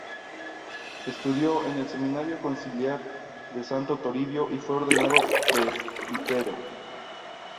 Estudió en el Seminario Conciliar de Santo Toribio y fue ordenado presbítero.